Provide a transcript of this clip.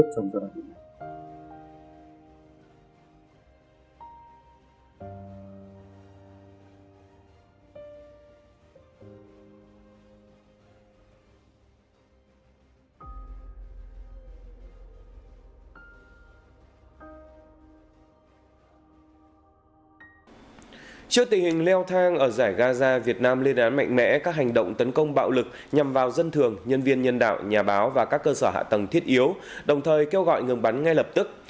chưa tình hình leo thang ở giải gaza việt nam lên án mạnh mẽ các hành động tấn công bạo lực nhằm vào dân thường nhân viên nhân đạo nhà báo và các cơ sở hạ tầng thiết yếu đồng thời kêu gọi ngừng bắn ngay lập tức